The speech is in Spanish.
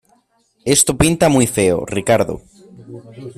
esto pinta muy feo, Ricardo.